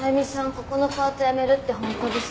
ここのパート辞めるってホントですか？